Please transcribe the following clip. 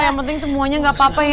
yang penting semuanya gak apa apa ya